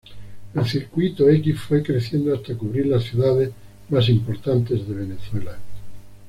El Circuito X fue creciendo hasta cubrir las ciudades más importantes de Venezuela.